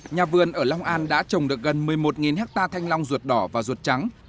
nhà vườn ở long an đã trồng được gần một mươi một hectare thanh long ruột đỏ và ruột trắng